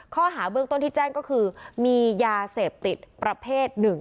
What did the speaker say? ข้อหาเบื้องต้นที่แจ้งก็คือมียาเสพติดประเภทหนึ่ง